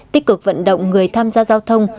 tích cực vận động người tham gia giao thông